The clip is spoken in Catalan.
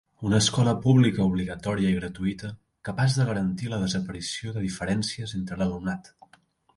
Una escola pública obligatòria i gratuïta capaç de garantir la desaparició de diferències entre l'alumnat.